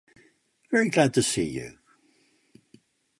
Very glad to see you.